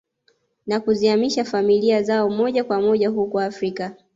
Na kuziamishia familia zao moja kwa moja huku Afrika